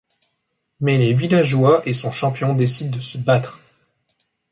Mais les villageois et son champion décident de se battre.